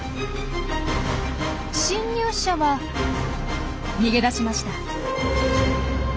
侵入者は逃げ出しました。